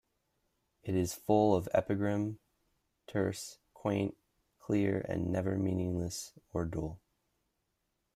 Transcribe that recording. It is full of epigram, terse, quaint, clear, and never meaningless or dull.